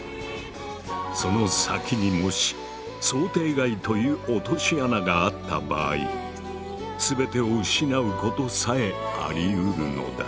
その先にもし想定外という落とし穴があった場合全てを失うことさえありうるのだ。